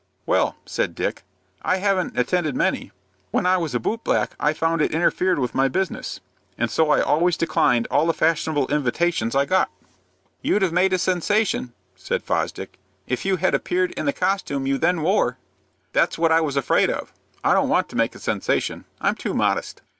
"Well," said Dick, "I haven't attended many. When I was a boot black I found it interfered with my business, and so I always declined all the fashionable invitations I got." "You'd have made a sensation," said Fosdick, "if you had appeared in the costume you then wore." "That's what I was afraid of. I don't want to make a sensation. I'm too modest."